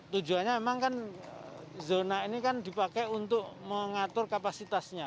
tujuannya memang kan zona ini kan dipakai untuk mengatur kapasitasnya